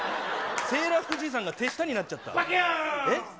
セーラー服じいさんが手下になっちゃった。ばきゅーん。